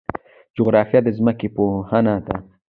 جغرافیه د ځمکې پوهنه ده